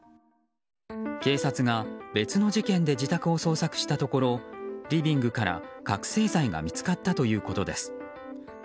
警察が別の事件で自宅を捜索したところリビングから覚醒剤が見つかったということです。